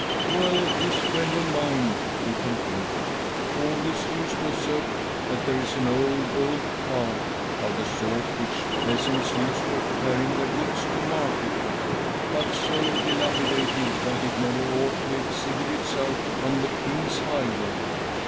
" Well, this friend of mine," he continued, " always used to assert that there is an old, old cart, of the sort which peasants use for carrying ;< their goods to market, but so dilapidated that it never ought to exhibit itself on the king's highway.